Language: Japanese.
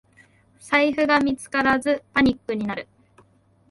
財布が見つからずパニックになる